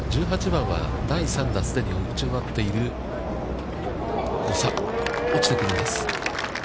１８番は第３打、既に打ち終わっている、落ちてくるんです。